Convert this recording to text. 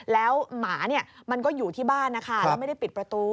แล้วหมาเนี่ยมันก็อยู่ที่บ้านนะคะแล้วไม่ได้ปิดประตู